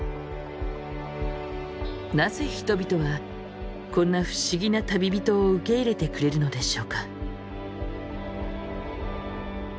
なぜ人々はこんな不思議な旅人を受け入れてくれるのでしょうか？